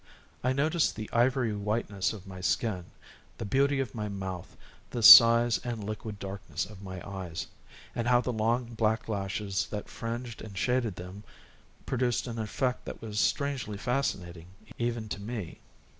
I noticed the ivory whiteness of my skin, the beauty of my mouth, the size and liquid darkness of my eyes, and how the long, black lashes that fringed and shaded them produced an effect that was strangely fascinating even to me.